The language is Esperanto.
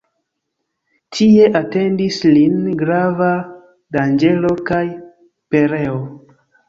Tie atendis lin grava danĝero kaj pereo.